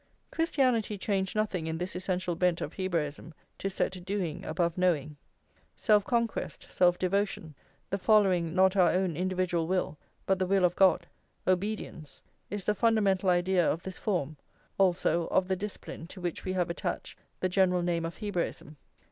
Christianity changed nothing in this essential bent of Hebraism to set doing above knowing. Self conquest, self devotion, the following not our own individual will, but the will of God, obedience, is the fundamental idea of this form, also, of the discipline to which we have attached the general name of Hebraism.